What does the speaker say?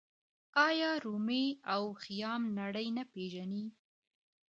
آیا رومي او خیام نړۍ نه پیژني؟